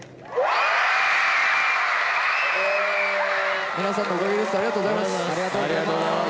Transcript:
ありがとうございます。